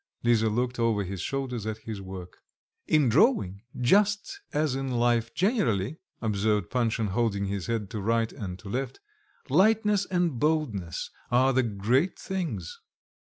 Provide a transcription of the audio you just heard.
Lisa looked over his shoulders at his work. "In drawing, just as in life generally," observed Panshin, holding his head to right and to left, "lightness and boldness are the great things."